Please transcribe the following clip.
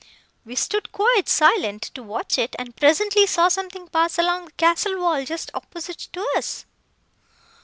We stood quite silent, to watch it, and presently saw something pass along the castle wall just opposite to us!"